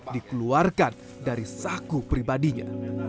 dikeluarkan dari saku pribadinya